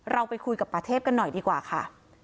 เราไปคุยกับป่าเทพกันหน่อยดีกว่าค่ะ